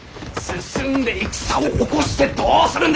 進んで戦を起こしてどうするんです？